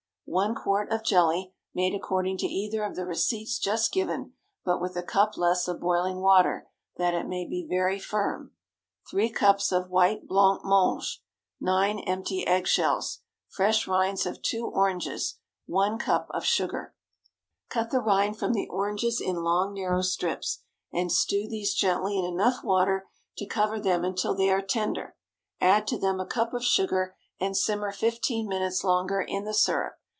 ✠ 1 quart of jelly, made according to either of the receipts just given, but with a cup less of boiling water, that it may be very firm. 3 cups of white blanc mange. 9 empty eggshells. Fresh rinds of two oranges. 1 cup of sugar. Cut the rind from the oranges in long narrow strips, and stew these gently in enough water to cover them until they are tender. Add to them a cup of sugar, and simmer fifteen minutes longer in the syrup.